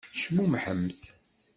Cmumḥemt!